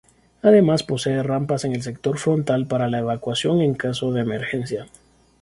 Además posee rampas en el sector frontal para la evacuación en caso de emergencia.